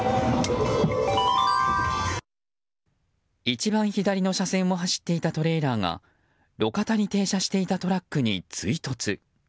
一番左の車線を走っていたトレーラーが路肩に停車していたトラックに追突。